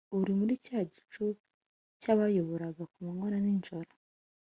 iri muri cya gicu cyabayoboraga ku manywa na nijoro